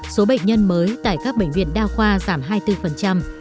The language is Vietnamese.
số bệnh nhân mới tại các bệnh viện đa khoa giảm hai mươi bốn